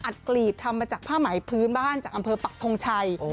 กลีบทำมาจากผ้าไหมพื้นบ้านจากอำเภอปักทงชัย